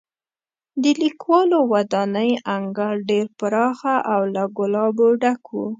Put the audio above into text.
د لیکوالو ودانۍ انګړ ډېر پراخه او له ګلابو ډک و.